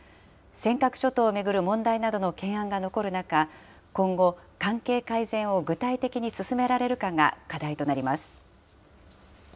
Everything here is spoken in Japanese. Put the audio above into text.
尖閣諸島を巡る問題などの懸案が残る中、今後、関係改善を具体的に進められるかが課題となります。